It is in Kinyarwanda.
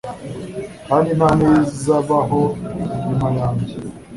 kandi nta n’izabaho nyuma yanjye.